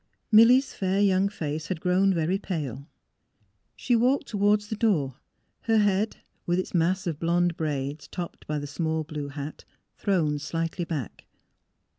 ..." Milly 's fair young face had grown very pale. She walked toward the door, her head with its mass of blond braids, topped by the small blue hat, thrown slightly back.